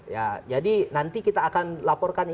ya jadi nanti kita akan laporkan